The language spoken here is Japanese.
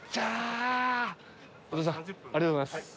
お父さんありがとうございます。